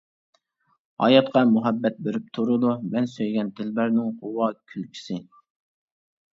ھاياتقا مۇھەببەت بېرىپ تۇرىدۇ، مەن سۆيگەن دىلبەرنىڭ غۇۋا كۈلكىسى.